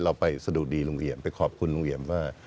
เราไปสะดุดีลุงเอี่ยมไปขอบคุณลุงเอี่ยมว่า